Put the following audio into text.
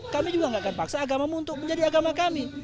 kami juga nggak akan paksa agamamu untuk menjadi agama kami